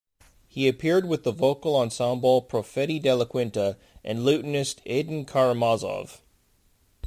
He appeared with the vocal ensemble Profeti della Quinta and lutenist Edin Karamazov.